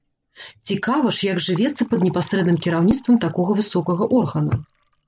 Цікава ж, як жывецца пад непасрэдным кіраўніцтвам такога высокага органа.